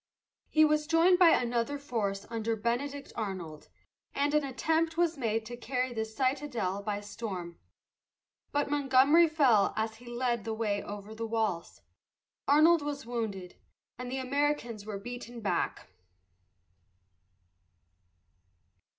He was joined by another force under Benedict Arnold, and an attempt was made to carry the citadel by storm. But Montgomery fell as he led the way over the walls, Arnold was wounded, and the Americans were beaten back.